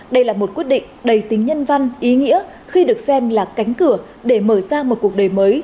đây là một quyết định đầy tính nhân văn ý nghĩa khi được xem là cánh cửa để mở ra một cuộc đời mới